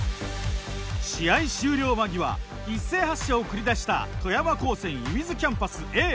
試合終了間際一斉発射を繰り出した富山高専射水キャンパスＡ。